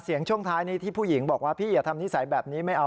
ช่วงท้ายนี้ที่ผู้หญิงบอกว่าพี่อย่าทำนิสัยแบบนี้ไม่เอา